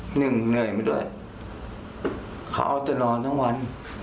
เหนื่อยมาด้วยเขาเอาแต่นอนทั้งวัน